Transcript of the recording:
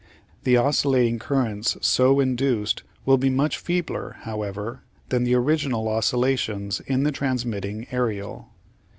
The oscillating currents so in duced will be much feebler, however, than the original oscillations in the transmitting aerial.